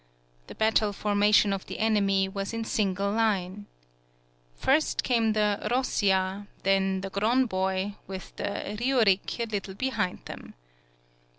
The battle formation of the enemy was in single line. First came the Rossia, then the Gron boi with the Riurick a little behind them.